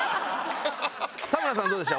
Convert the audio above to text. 田村さんはどうでした？